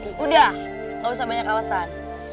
udah gak usah banyak alasan